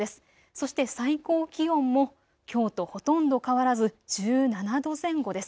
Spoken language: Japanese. そして最高気温もきょうとほとんど変わらず１７度前後です。